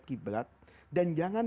qiblat dan jangan